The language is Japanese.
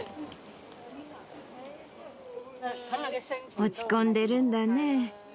落ち込んでるんだね。